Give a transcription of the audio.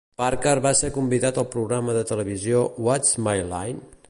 Parker va ser convidat al programa de televisió What's My Line?